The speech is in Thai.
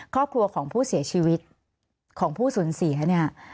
ครอบครัวของผู้เสียชีวิตของผู้สูญเสียเนี่ย